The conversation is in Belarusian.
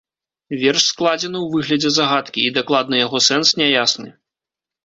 Верш складзены ў выглядзе загадкі, і дакладны яго сэнс няясны.